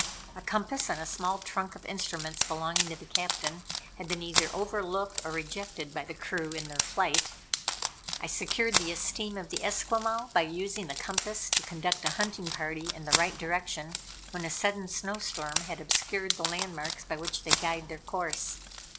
A compass and a small trunk of instruments belonging to the Captain had been either over looked or rejected by the crew in their flight. I secured the esteem of the Esquimaux by using the compass to conduct a hunting party in the right direction when a sudden snow storm had obscured the landmarks by which they guide their course.